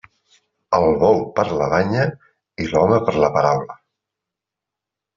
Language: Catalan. El bou per la banya i l'home per la paraula.